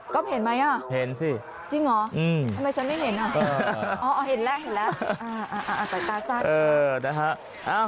ก็เห็นไหมอ่ะจริงหรอทำไมฉันไม่เห็นอ่ะอ๋อเห็นแล้วสายตาซ่านดูค่ะ